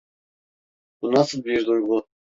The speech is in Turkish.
Bu nasıl bir duygu?